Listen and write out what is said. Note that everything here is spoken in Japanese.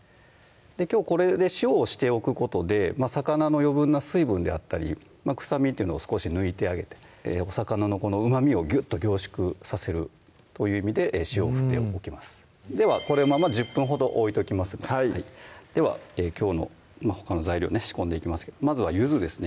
きょうこれで塩をしておくことで魚の余分な水分であったり臭みっていうのを少し抜いてあげてお魚のうまみをぎゅっと凝縮させるという意味で塩を振っておきますではこのまま１０分ほど置いときますんでではきょうのほかの材料仕込んでいきますけどまずは柚子ですね